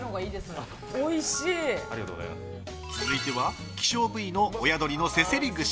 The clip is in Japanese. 続いては、希少部位の親鶏のせせり串。